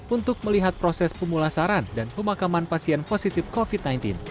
untuk melihat proses pemulasaran dan pemakaman pasien positif covid sembilan belas